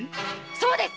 そうです‼